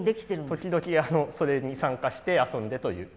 時々それに参加して遊んでという。